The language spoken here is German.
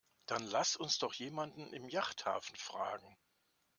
Dann lass uns doch jemanden im Yachthafen fragen.